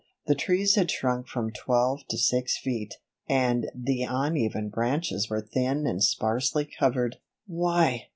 The trees had shrunk from twelve to six feet, and the uneven branches were thin and sparsely covered. "Why!"